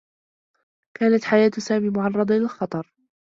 كانت حياة سامي معرّضة للخطر.